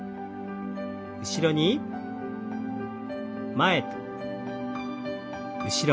前と後ろに。